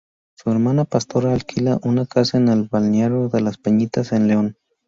Su hermana Pastora alquila una casa en el balneario de Las Peñitas, en León.